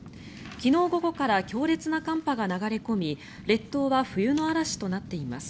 昨日午後から強烈な寒波が流れ込み列島は冬の嵐となっています。